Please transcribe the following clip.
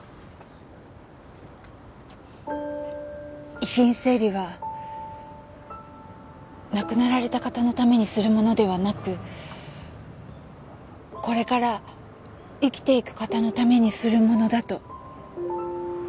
遺品整理は亡くなられた方のためにするものではなくこれから生きていく方のためにするものだと思っています。